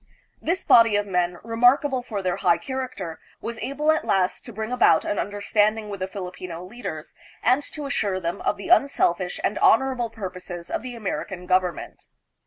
This body of men, remarkable for their high character, was able at last to bring about an understanding with the Filipino leaders and to assure them of the unselfish and honorable purposes of the American government.